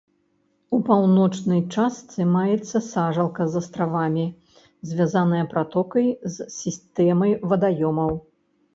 У паўночнай частцы маецца сажалка з астравамі, звязаная пратокай з сістэмай вадаёмаў.